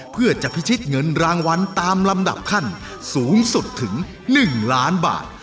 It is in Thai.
เพื่อจะพิชิตเงินรางวัลตามลำดับขั้นสูงสุดถึง๑ล้านบาท